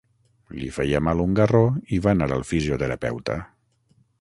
Li feia mal un garró i va anar al fisioterapeuta.